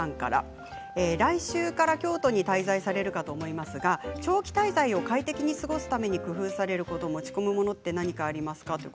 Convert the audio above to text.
来週から京都に滞在されるかと思いますが長期滞在を快適に過ごすために工夫されていること持ち込むものはありますか？